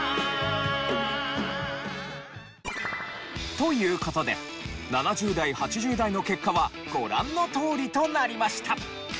という事で７０代８０代の結果はご覧のとおりとなりました。